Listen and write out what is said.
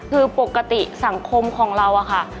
คือปกติสังคมของเรา